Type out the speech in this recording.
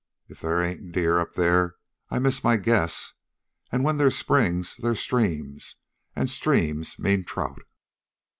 If they ain't deer up there, I miss my guess. An' where they's springs they's streams, an' streams means trout."